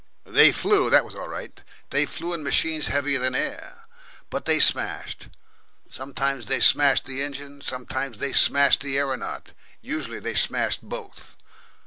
They flew that was all right; they flew in machines heavier than air. But they smashed. Sometimes they smashed the engine, sometimes they smashed the aeronaut, usually they smashed both.